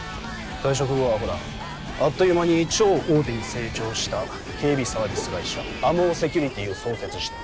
退職後はほらあっという間に超大手に成長した警備サービス会社ＡＭＯセキュリティーを創設して。